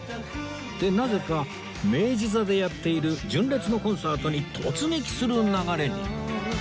ってなぜか明治座でやっている純烈のコンサートに突撃する流れに